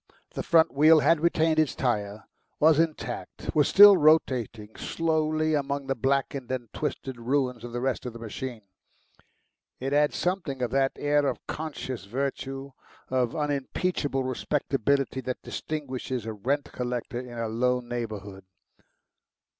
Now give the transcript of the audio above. The front wheel had retained its tyre, was intact, was still rotating slowly among the blackened and twisted ruins of the rest of the machine. It had something of that air of conscious virtue, of unimpeachable respectability, that distinguishes a rent collector in a low neighbourhood.